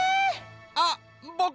あっぼこ